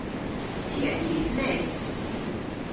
Ty a yv leth.